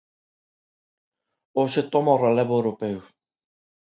Hoxe toma o relevo europeo.